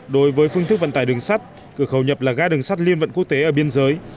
đối với phương thức vận tải đường sắt cửa khẩu nhập là ga đường sắt liên vận quốc tế ở biên giới